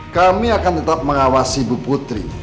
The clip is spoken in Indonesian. kami akan tetap mengawasi bu putri